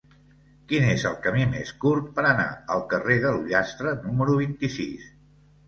Quin és el camí més curt per anar al carrer de l'Ullastre número vint-i-sis?